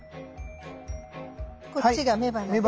こっちが雌花です。